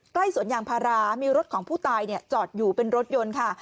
ใกล้สวนยางภาระมีรถของผู้ตายเนี่ยจอดอยู่เป็นรถยนต์ค่ะ